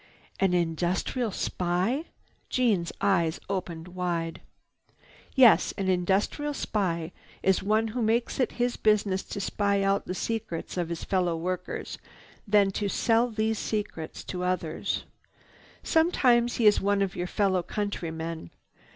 "An industrial spy?" Jeanne's eyes opened wide. "Yes. An industrial spy is one who makes it his business to spy out the secret processes of his fellow workers, then to sell these secrets to others. "Sometimes he is one of your fellow countrymen.